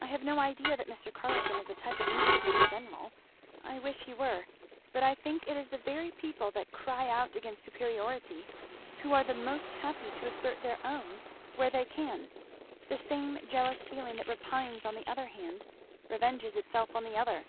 I have no idea that Mr. Carleton is a type of Englishmen in general I wish he were. But I think it is the very people that cry out against superiority, who are the most happy to assert their own where they can; the same jealous feeling that repines on the one hand, revenges itself on the other."